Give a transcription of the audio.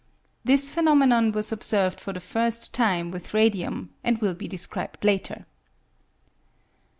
This phenomenon was observed for the first time with radium, and will be described later.